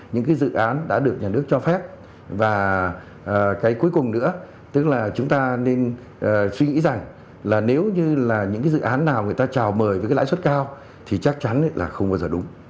những cái dự án đã được nhà nước cho phép và cái cuối cùng nữa tức là chúng ta nên suy nghĩ rằng là nếu như là những cái dự án nào người ta trào mời với cái lãi suất cao thì chắc chắn là không bao giờ đúng